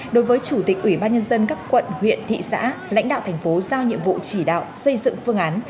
đối với chủ tịch ủy ban nhân dân các quận huyện thị xã lãnh đạo thành phố giao nhiệm vụ chỉ đạo xây dựng phương án